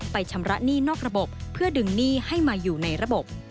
ชำระหนี้นอกระบบเพื่อดึงหนี้ให้มาอยู่ในระบบ